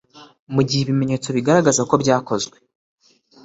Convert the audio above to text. mu gihe ibimenyetso bigaragaza ko byakozwe